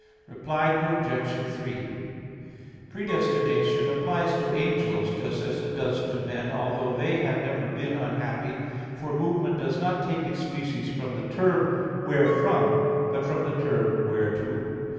Reply Obj. 3: Predestination applies to angels, just as it does to men, although they have never been unhappy. For movement does not take its species from the term wherefrom but from the term _whereto.